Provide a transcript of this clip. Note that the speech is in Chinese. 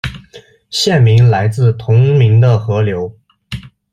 县名来自同名的河流。